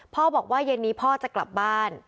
พ่อบอกว่าเย็นนี้พ่อจะกลับบ้าน